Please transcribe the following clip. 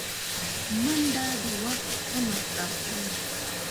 منډه د وخت ښه مصرف دی